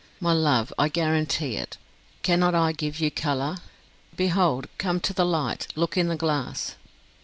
My love, I guarantee it. Cannot I give you colour? Behold! Come to the light, look in the glass."